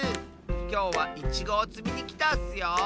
きょうはイチゴをつみにきたッスよ！